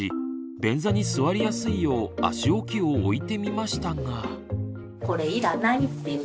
便座に座りやすいよう足置きを置いてみましたが。